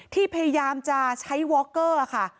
ที่พยายามจะใช้วอร์เกอร์อะค่ะ